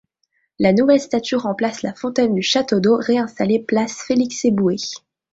La nouvelle statue remplace la fontaine du Château d'eau, réinstallée place Félix-Éboué.